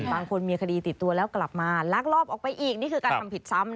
บางคนมีคดีติดตัวแล้วกลับมาลักลอบออกไปอีกนี่คือการทำผิดซ้ำนะ